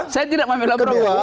saya tidak mau bela prabowo